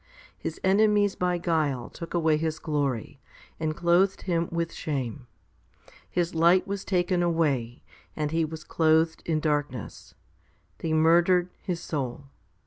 His enemies by guile took away his glory, and clothed him with shame. His light was taken away, and he was clothed in darkness. They murdered his soul.